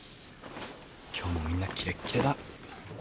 今日もみんなキレッキレだ。